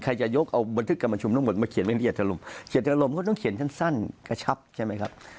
จะยกเอาบันทึกการประชุมทั้งหมดมาเขียนไว้ในเจตลมเจตนารมณก็ต้องเขียนสั้นกระชับใช่ไหมครับ